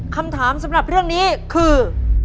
คำถามสำหรับเรื่องนี้คือ